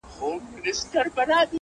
سم داسي ښكاري راته،